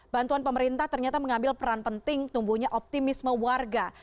bantuan pemerintah ternyata mengambil peran penting tumbuhnya optimisme warga